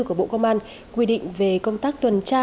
của bộ công an quy định về công tác tuần tra